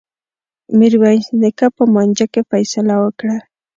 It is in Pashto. میرويس نیکه په مانجه کي فيصله وکړه.